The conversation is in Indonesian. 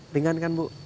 ringan kan bu